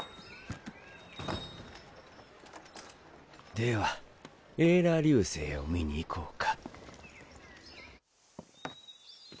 ではエーラ流星を見に行こうか。